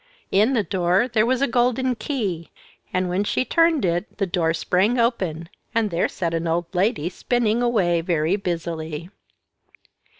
In the door there was a golden key, and when she turned it the door sprang open, and there sat an old lady spinning away very busily.